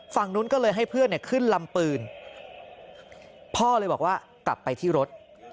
ฝั่งนู้นก็เลยให้เพื่อนเนี่ยขึ้นลำปืนพ่อเลยบอกว่ากลับไปที่รถ